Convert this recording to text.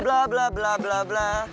blah blah blah